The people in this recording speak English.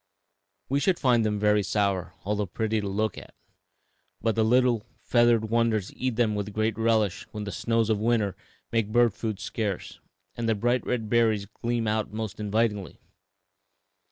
We should find them very sour, although pretty to look at; but the little feathered wanderers eat them with great relish when the snows of winter make bird food scarce and the bright red berries gleam out most invitingly.